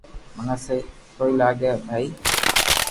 منو تو سھي ڪوئي لاگي بائي